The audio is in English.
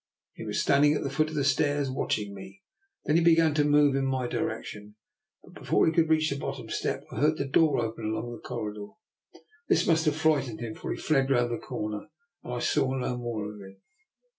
He was standing at the foot of the stairs watching me. Then he began to move in my direction; but before he could reach the bot tom step I heard a door open along the cor ridor. This must have frightened him, for he fled round the corner, and I saw no more of him."